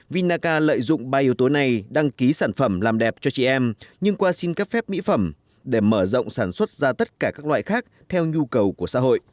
vinaca lợi dụng ba yếu tố này đăng ký sản phẩm làm đẹp cho chị em nhưng qua xin cấp phép mỹ phẩm để mở rộng sản xuất ra tất cả các loại khác theo nhu cầu của xã hội